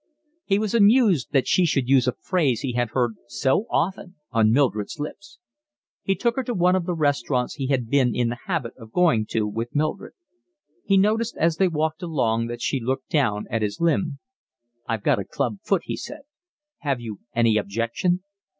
He was amused that she should use a phrase he had heard so often on Mildred's lips. He took her to one of the restaurants he had been in the habit of going to with Mildred. He noticed as they walked along that she looked down at his limb. "I've got a club foot," he said. "Have you any objection?"